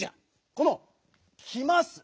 この「きます」。